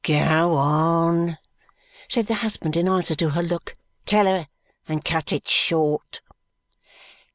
"Go on!" said the husband in answer to her look. "Tell her and cut it short."